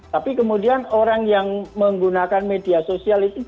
tapi kemudian orang yang menggunakan media sosial itu